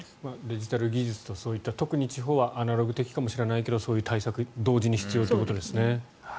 デジタル技術と特に地方はアナログ的かもしれないけどそういう対策が同時に必要かもしれないですね。